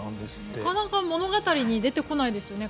なかなか物語に出てこないですよね。